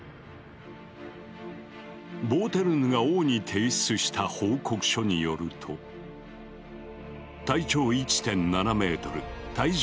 ボーテルヌが王に提出した報告書によると体長１．７ｍ体重６５ｋｇ。